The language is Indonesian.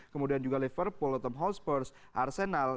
kemudian juga liverpool lotham hotspur arsenal